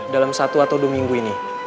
dalam satu atau dua minggu ini